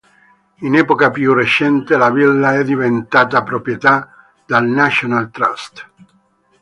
In epoca più recente la villa è diventata proprietà del National Trust.